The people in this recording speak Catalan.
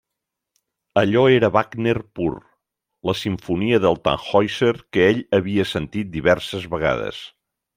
Allò era Wagner pur; la simfonia del Tannhäuser que ell havia sentit diverses vegades.